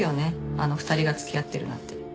あの２人が付き合ってるなんて。